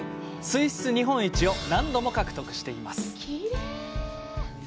水質日本一を何度も獲得しています。